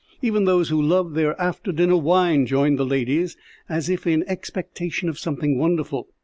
Even those who loved their after dinner wine joined the ladies, as if in expectation of something wonderful.